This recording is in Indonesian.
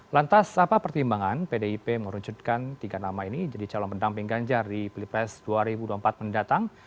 lantas apa pertimbangan pdip merucutkan tiga nama ini jadi calon pendamping ganjar di pilpres dua ribu dua puluh empat mendatang